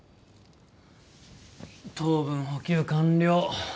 糖分補給完了。